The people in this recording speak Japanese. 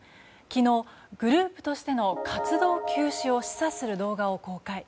昨日、グループとしての活動休止を示唆する動画を公開。